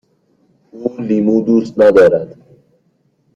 او لیمو دوست ندارد.